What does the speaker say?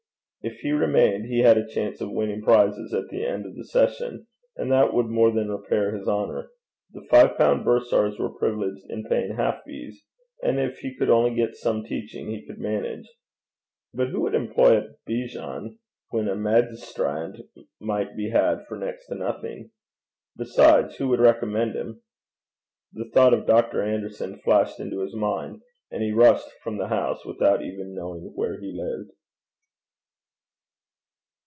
If he remained, he had a chance of winning prizes at the end of the session, and that would more than repair his honour. The five pound bursars were privileged in paying half fees; and if he could only get some teaching, he could manage. But who would employ a bejan when a magistrand might be had for next to nothing? Besides, who would recommend him? The thought of Dr. Anderson flashed into his mind, and he rushed from the house without even knowing where he lived.